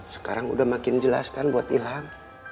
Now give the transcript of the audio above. sekarang udah makin jelas kan buat ilham